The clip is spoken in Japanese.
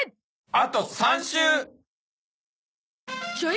あと３週！